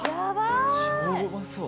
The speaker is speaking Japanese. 超うまそう。